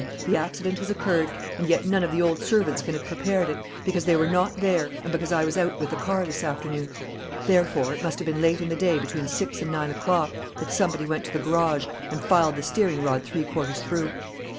The accident has occurred. And yet none of the old servants can have prepared it, because they were not there and because I was out with the car this afternoon. Therefore, it must have been late in the day between six and nine o'clock, that somebody went to the garage and filed the steering rod three quarters through."